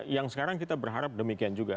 yang sekarang kita berharap demikian juga